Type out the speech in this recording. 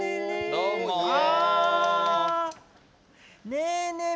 ねえねえ